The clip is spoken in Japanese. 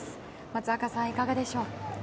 松坂さん、いかがでしょう。